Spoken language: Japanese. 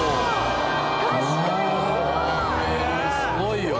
すごい！